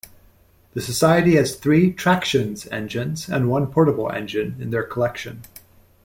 The society has three tractions engines and one portable engine in their collection.